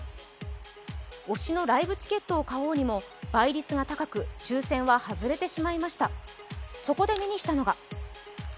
推しのライブチケットを買おうにも倍率が高く抽選は外れてしまいました。